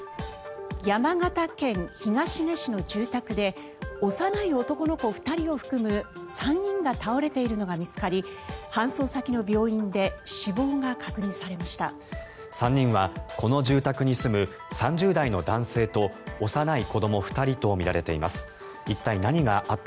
山形県東根市の住宅で幼い男の子２人を含む３人が倒れているのが見つかり搬送先の病院で死亡が確認されました。